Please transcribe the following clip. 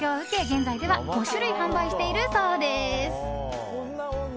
現在では５種類販売しているそうです。